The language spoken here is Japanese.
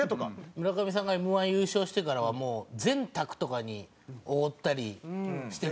村上さんがＭ−１優勝してからはもう全卓とかにおごったりしてくれるんで。